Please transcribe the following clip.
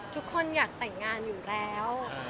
ทุกคนอยากแต่งงานอยู่แล้ว